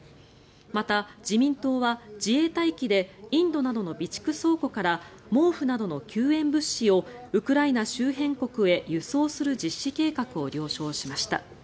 また、自民党は自衛隊機でインドなどの備蓄倉庫から毛布などの救援物資をウクライナ周辺国へ輸送する実施計画を了承しました。